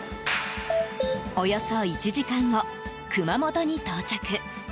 およそ１時間後、熊本に到着。